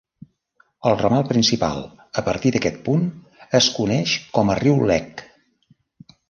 El ramal principal, a partir d'aquest punt, es coneix com a riu Lek.